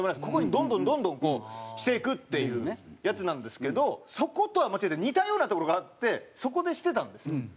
ここにどんどんどんどんこうしていくっていうやつなんですけどそことは似たような所があってそこでしてたんですよ。